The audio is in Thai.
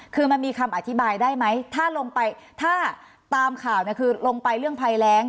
คือมันมีคำอธิบายได้ไหมถ้าลงไปถ้าตามข่าวเนี่ยคือลงไปเรื่องภัยแรง